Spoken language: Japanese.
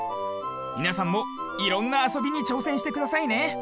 みなさんもいろんなあそびにちょうせんしてくださいね。